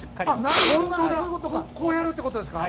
なるほどこうやるってことですか